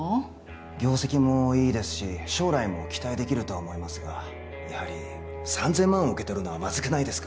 業績もいいですし将来も期待できるとは思いますがやはり３千万を受け取るのはまずくないですか？